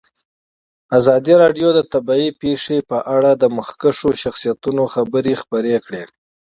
ازادي راډیو د طبیعي پېښې په اړه د مخکښو شخصیتونو خبرې خپرې کړي.